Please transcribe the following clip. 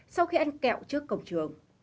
sau khi ăn kẹo trước cổng trường